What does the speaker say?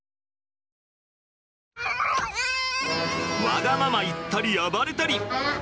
わがまま言ったり暴れたり。